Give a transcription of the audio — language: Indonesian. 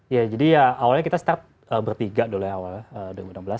ya jadi ya awalnya kita mulai berpiga dulu ya awal dua ribu enam belas